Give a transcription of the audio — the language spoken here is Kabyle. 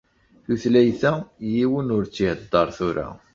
Tutlayt-a yiwen ur tt-ihedder tura.